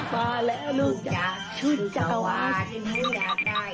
ดูจ๊ะชุดจัตวาที่มึงอยากได้